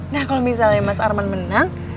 nah kalau misalnya mas arman menang